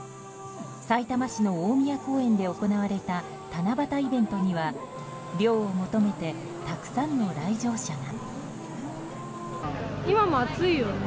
さいたま市の大宮公園で行われた七夕イベントには涼を求めてたくさんの来場者が。